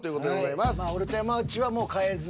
まあ俺と山内はもう変えずに。